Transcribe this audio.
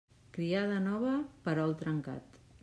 Criada nova, perol trencat.